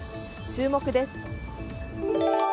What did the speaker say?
注目です。